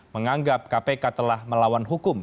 menganggap kpk telah melawan hukum